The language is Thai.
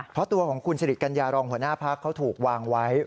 เพราะตัวของคุณสิริกัญญารองหัวหน้าพักเขาถูกวางไว้